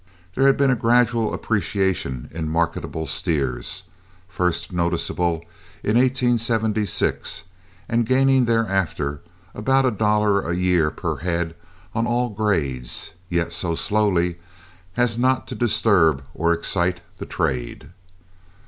There had been a gradual appreciation in marketable steers, first noticeable in 1876, and gaining thereafter about one dollar a year per head on all grades, yet so slowly as not to disturb or excite the trade.